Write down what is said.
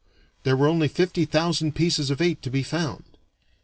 there were only fifty thousand pieces of eight to be found.